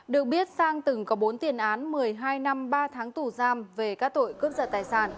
được biết sang từng có bốn tiền án một mươi hai năm ba tháng tù giam về các tội cướp giật tài sản